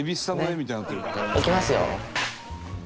いきますよ。